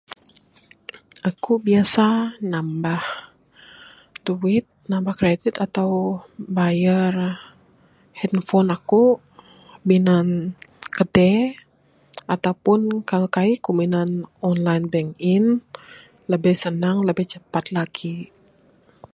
Eku biasa nambah duit, nambah kredit atau bayar handphone eku, minan kede, atau pun kalau kaik kuk minan online banking, lebih senang, lebih cepat lagi.